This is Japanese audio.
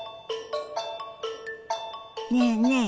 ねえねえ